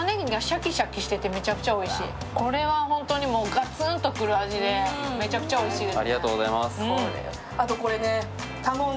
これはガツンと来る味でめちゃめちゃおいしいです。